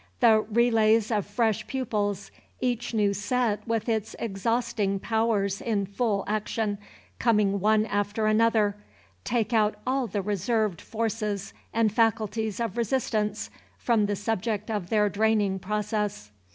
The relays of fresh pupils, each new set with its exhausting powers in full action, coming one after another, take out all the reserved forces and faculties of resistance from the subject of their draining process.